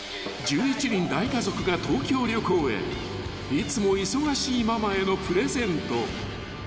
［いつも忙しいママへのプレゼント］